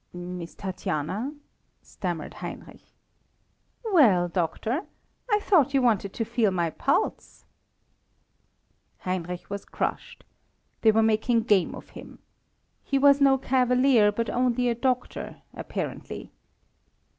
"Miss Tatiana?" stammered Heinrich. "Well, doctor! I thought you wanted to feel my pulse!" Heinrich was crushed. They were making game of him. He was no cavalier, but only a doctor, apparently.